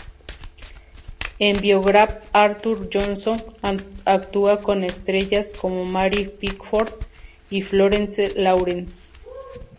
En Biograph, Arthur Johnson actuó con estrellas como Mary Pickford y Florence Lawrence.